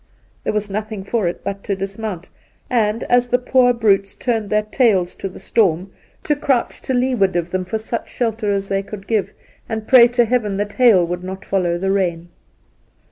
There was nothing for it but to dismount and, as the poor brutes turned their tails to the storm, to crouch to leeward of them for such shelter as they could give, and pray to Heaven that hail would not follow the rain.